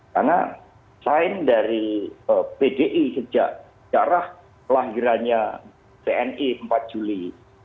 karena selain dari pdi sejak sejarah kelahirannya pni empat juli seribu sembilan ratus dua puluh tujuh